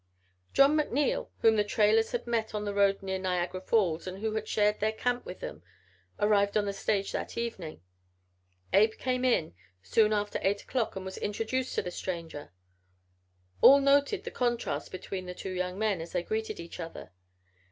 John McNeil, whom the Traylors had met on the road near Niagara Falls and who had shared their camp with them, arrived on the stage that evening. ... Abe came in, soon after eight o'clock, and was introduced to the stranger. All noted the contrast between the two young men as they greeted each other.